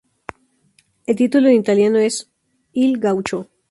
El título en italiano es "Il gaucho".